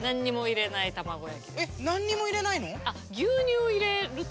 えっ何にも入れないの？